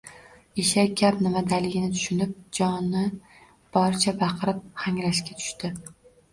Eshak gap nimadaligini tushunib, joni boricha baqirib-hangrashga tushdi